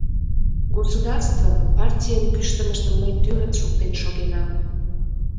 Государствын, партийын кӱштымыштым мый тӱрыс шуктен шогенам...